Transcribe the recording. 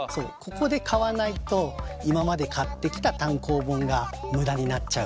ここで買わないと今まで買ってきた単行本が無駄になっちゃう。